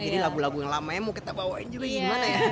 jadi lagu lagu yang lamanya mau kita bawain juga gimana ya